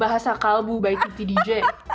bahasa kalbu oleh titi dj